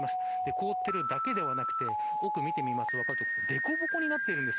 凍っているだけではなくて奥を見てみるとでこぼこになっているんです。